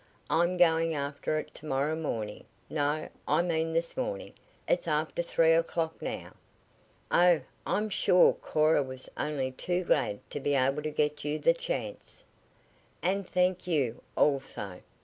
I'm going after it to morrow morning no, I mean this morning. It's after three o'clock now." "Oh, I'm sure Cora was only too glad to be able to get you the chance." "And thank you, also.